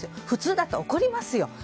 普通だと怒りますよ。